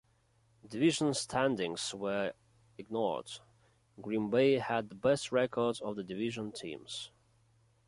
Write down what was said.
Division standings were ignored; Green Bay had the best record of the division teams.